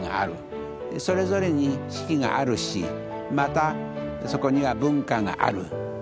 それぞれに四季があるしまたそこには文化がある。